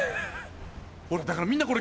ほらだからみんなこれ。